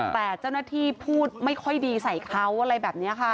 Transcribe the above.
แต่เจ้าหน้าที่พูดไม่ค่อยดีใส่เขาอะไรแบบนี้ค่ะ